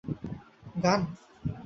– গান।